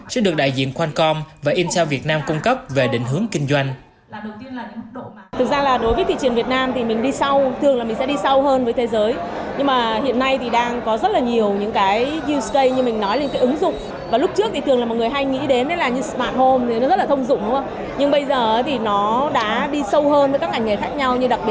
sẽ được đại diện qualcomm và intel việt nam cung cấp về định hướng kinh doanh